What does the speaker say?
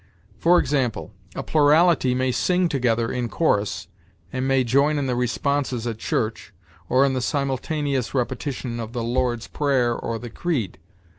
For example, a plurality may sing together in chorus, and may join in the responses at church, or in the simultaneous repetition of the Lord's Prayer or the Creed.